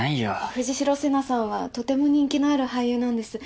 藤代瀬那さんはとても人気のある俳優なんです。